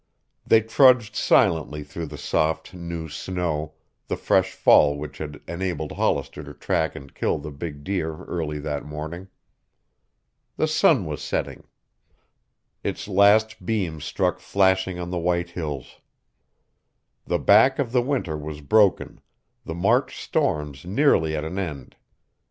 They trudged silently through the soft, new snow, the fresh fall which had enabled Hollister to track and kill the big deer early that morning. The sun was setting. Its last beam struck flashing on the white hills. The back of the winter was broken, the March storms nearly at an end.